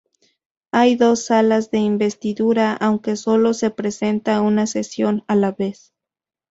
Hay dos salas de investidura, aunque sólo se presenta una sesión a la vez.